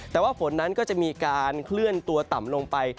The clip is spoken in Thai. แต่ว่าฝนนั้นก็จะมีการเคลื่อนตัวต่ำลงไป